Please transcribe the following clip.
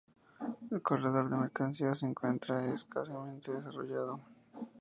El corredor de mercancías se encuentra escasamente desarrollado.